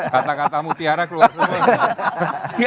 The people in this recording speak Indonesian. kata kata mutiara keluar semua